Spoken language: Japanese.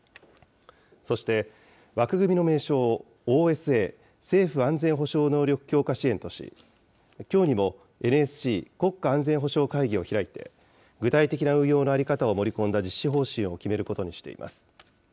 そして、枠組みの名称をＯＳＡ・政府安全保障能力強化支援とし、きょうにもＮＳＣ・国家安全保障会議を開いて、具体的な運用の在り方を盛り込んだ実施方針を決めることにしています。